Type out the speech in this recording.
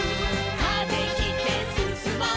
「風切ってすすもう」